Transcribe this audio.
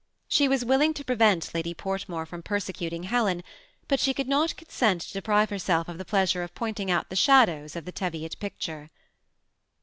She was willing to prevent Lady Portmore from persecuting Helen; but she could not consult to deprive herself of the* pleasure of pointing out the shadows of the Teviot picture.